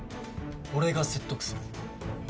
俺が説得する。